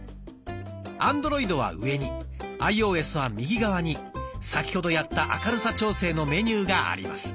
アンドロイドは上にアイオーエスは右側に先ほどやった明るさ調整のメニューがあります。